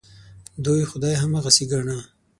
دوی خدای هم هماغسې ګاڼه.